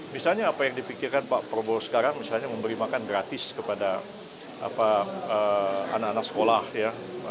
misalnya apa yang dipikirkan pak prabowo sekarang misalnya memberi makan gratis kepada anak anak sekolah ya